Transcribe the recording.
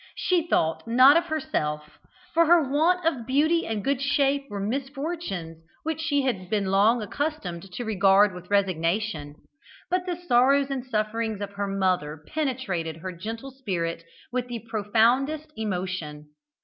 She thought not of herself, for her want of beauty and good shape were misfortunes which she had been long accustomed to regard with resignation; but the sorrows and sufferings of her mother penetrated her gentle spirit with the profoundest emotion.